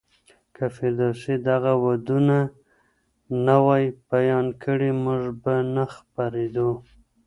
که فردوسي دغه ودونه نه وای بيان کړي، موږ به نه خبرېدو.